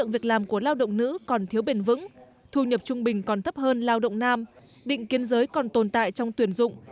bộ lao động nữ còn thiếu bền vững thu nhập trung bình còn thấp hơn lao động nam định kiến giới còn tồn tại trong tuyển dụng